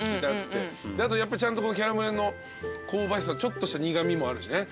であとちゃんとキャラメルの香ばしさちょっとした苦味もあるしね。